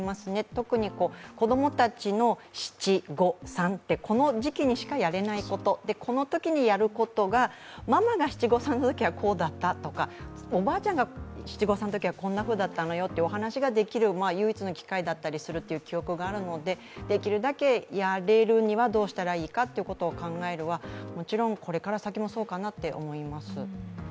特に子供たちの七五三ってこの時期にしかやれないこと、このときにやることがママが七五三のときはこうだったとか、おばあちゃんが七五三のときはこういうふうだったのよっていう話ができる唯一の機会だったりするという記憶があるので、できるだけやれるにはどうしたらいいかということを考えるはもちろんこれから先もそうかなと思います。